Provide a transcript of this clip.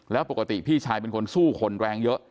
แล้วปกติพี่ชายเป็นคนสู้คนแรงเยอะ